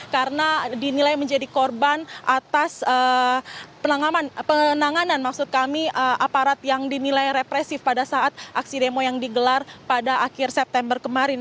karena dinilai menjadi korban atas penanganan aparat yang dinilai represif pada saat aksi demo yang digelar pada akhir september kemarin